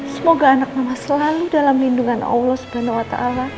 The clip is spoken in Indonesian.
semoga anak mama selalu dalam lindungan allah swt